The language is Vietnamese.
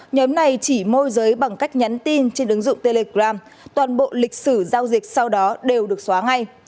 nhóm này chỉ môi giới bằng cách nhắn tin trên ứng dụng telegram toàn bộ lịch sử giao dịch sau đó đều được xóa ngay